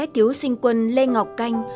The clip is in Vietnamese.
tiếu sinh quân lê ngọc canh